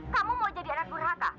kamu mau jadi anak burhaka